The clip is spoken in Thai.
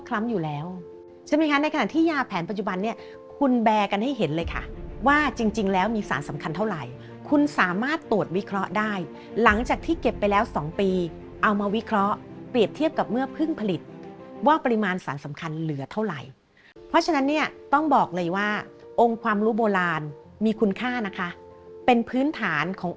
ทำอยู่แล้วใช่ไหมคะในขณะที่ยาแผนปัจจุบันเนี้ยคุณแบกันให้เห็นเลยค่ะว่าจริงจริงแล้วมีสารสำคัญเท่าไหร่คุณสามารถตรวจวิเคราะห์ได้หลังจากที่เก็บไปแล้วสองปีเอามาวิเคราะห์เปรียบเทียบกับเมื่อพึ่งผลิตว่าปริมาณสารสำคัญเหลือเท่าไหร่เพราะฉะนั้นเนี้ยต้องบอกเลยว่าองค์ค